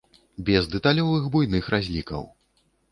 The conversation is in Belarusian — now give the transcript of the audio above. Без дэталёвых буйных разлікаў.